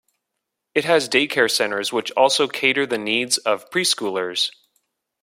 It has daycare centers which also cater the needs of pre-schoolers.